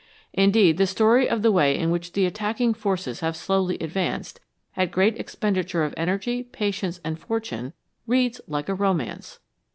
Indeed, the story of the way in which the attacking forces have slowly advanced, at great expenditure of energy, patience, and fortune, reads like a romance.